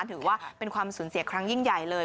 ถือว่าเป็นความสูญเสียครั้งยิ่งใหญ่เลย